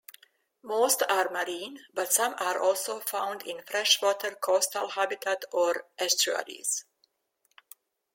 Most are marine, but some are also found in freshwater coastal habitat or estuaries.